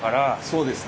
そうです。